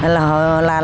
là họ làm cái gì khác